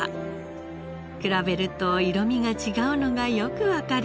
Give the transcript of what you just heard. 比べると色味が違うのがよくわかります。